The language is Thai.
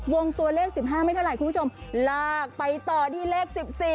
วงตัวเลข๑๕ไม่เท่าไหร่คุณผู้ชมลากไปต่อที่เลข๑๔